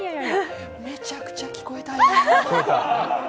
めちゃくちゃ聞こえたよ。